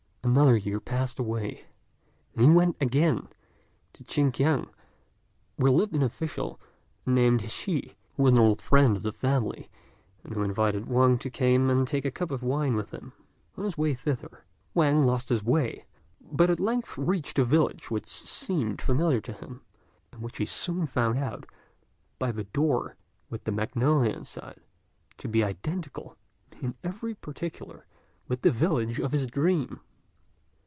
Another year passed away, and he went again to Chinkiang, where lived an official, named Hsü, who was an old friend of the family, and who invited Wang to come and take a cup of wine with him. On his way thither, Wang lost his way, but at length reached a village which seemed familiar to him, and which he soon found, by the door with the magnolia inside, to be identical, in every particular, with the village of his dream.